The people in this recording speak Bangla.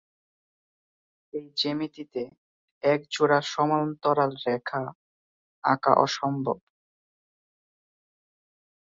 এই জ্যামিতিতে এক জোড়া সমান্তরাল রেখা আঁকা অসম্ভব।